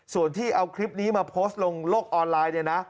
ส่วนที่เอาคลิปนี้มาโพสต์ลงโลกออนไลน์เนี่ยนะ